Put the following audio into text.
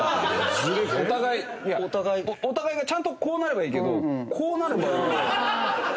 お互いお互いがちゃんとこうなればいいけどこうなる場合も。